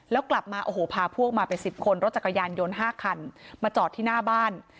แล้วกลับมาพาพวกมาไปสิบคนรถจักรยานโยนห้าคันมาจอดที่หน้าบ้าน